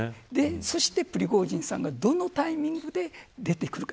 そして、プリゴジンさんがどのタイミングで出てくるか。